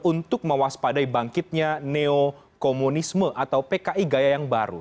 untuk mewaspadai bangkitnya neokomunisme atau pki gaya yang baru